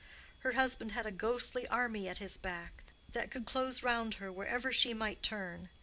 Her husband had a ghostly army at his back, that could close round her wherever she might turn.